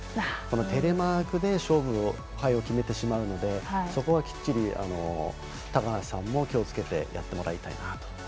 このテレマークで勝敗を決めてしまうのでそこはきっちり高梨さんも気をつけてやってもらいたいなと。